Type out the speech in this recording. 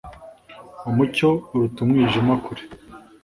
Umucyo uruta umwijima kure